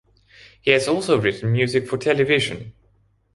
He has also written music for television.